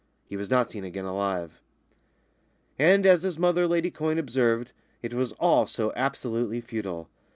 He was not seen again alive. And, as his mother, Lady Quyne, observed, it was all so absolutely futile.